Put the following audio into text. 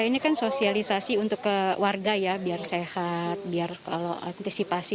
ini kan sosialisasi untuk ke warga ya biar sehat biar kalau antisipasi